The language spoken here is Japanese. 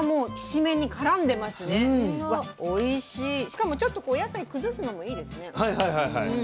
しかもちょっとお野菜崩すのもいいですね。